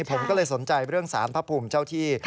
ผมก็เลยสนใจเรื่องสารพระภูมิเจ้าที่